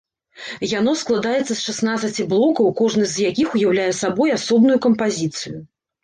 Яно складаецца з шаснаццаці блокаў, кожны з якіх уяўляе сабою асобную кампазіцыю.